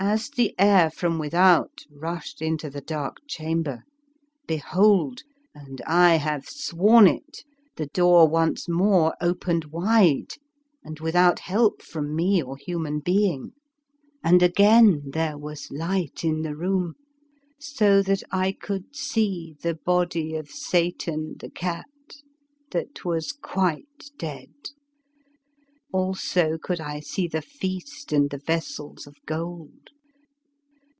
As the air from without rushed into the dark chamber, behold, and I have sworn it, the door once more opened wide, and without help from me or hu man being, and again there was light in the room, so that I could see the body of Satan, the cat, that was quite dead; also could I see the feast and the vessels of gold.